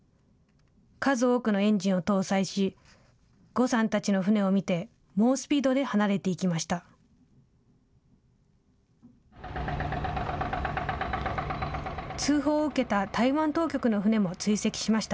数多くのエンジンを搭載し、呉さんたちの船を見て、猛スピードで離れていきました。